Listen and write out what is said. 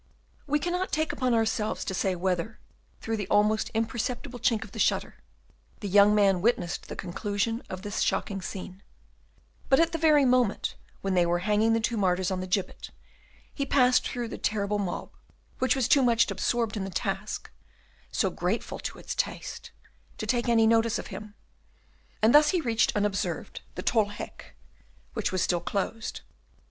We cannot take upon ourselves to say whether, through the almost imperceptible chink of the shutter, the young man witnessed the conclusion of this shocking scene; but at the very moment when they were hanging the two martyrs on the gibbet he passed through the terrible mob, which was too much absorbed in the task, so grateful to its taste, to take any notice of him, and thus he reached unobserved the Tol Hek, which was still closed.